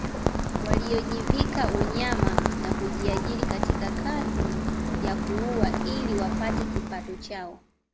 Waliojivika unyama na kujiajiri katika kazi ya kuua ili wapate kipato chao